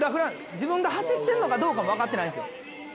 自分が走ってるのかどうかもわかってないんですよ。